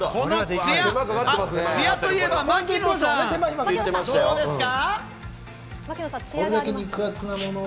ツヤ、ツヤと言えば槙野さん、どうですか？